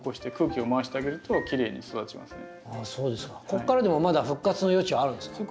ここからでもまだ復活の余地はあるんですか？